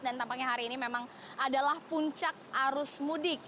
dan tampaknya hari ini memang adalah puncak arus mudik